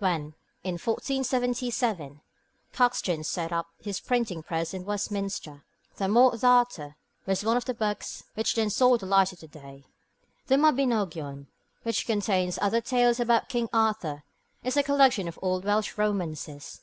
When, in 1477, Caxton set up his printing press at Westminster, the Morte D'Arthur was one of the books which then saw the light of day. The Mabinogion, which contains other tales about King Arthur, is a collection of old Welsh romances.